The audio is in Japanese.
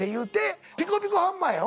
ピコピコハンマーよ。